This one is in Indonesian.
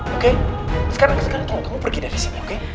oke sekarang tunggu kamu pergi dari sini oke